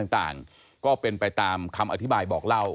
ต่างก็เป็นไปตามคำอธิบายบอกเล่า